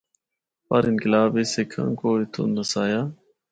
پر انقلاب بچ سکھاں کو اتھو نسایا۔